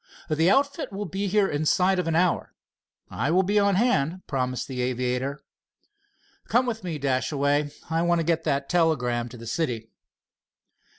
"The outfit will be here inside of an hour." "I will be on hand," promised the aviator. "Come with me, Dashaway. I want to get that telegram to the city."